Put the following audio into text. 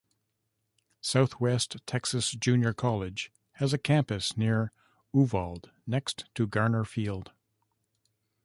Southwest Texas Junior College has a campus near Uvalde, next to Garner Field.